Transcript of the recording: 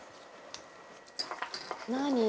「何？」